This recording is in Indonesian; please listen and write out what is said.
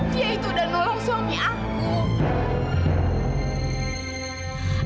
dia itu udah nolong suami aku